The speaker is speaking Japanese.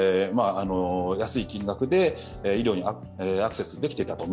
安い金額で医療にみんながアクセスできていたと。